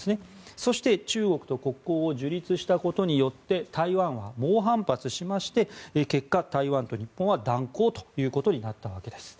そして、中国と国交を樹立したことによって台湾は猛反発しまして結果、台湾と日本は断交ということになったわけです。